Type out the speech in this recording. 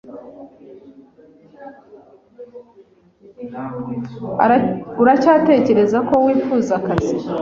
Uracyatekereza ko wifuza akazi?